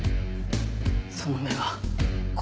その目は。